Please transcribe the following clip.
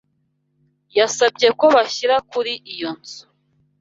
Yasabye ko bashyira kuri iyo nzu.